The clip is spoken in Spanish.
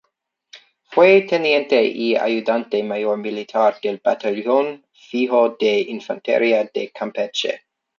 Fue teniente y ayudante mayor militar del batallón fijo de infantería de Campeche.